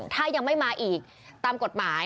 ถ้ายังไม่มาอีกตามกฎหมาย